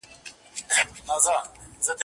در جارېږمه سپوږمیه راته ووایه په مینه